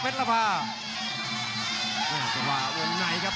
โอ้โหโอ้โห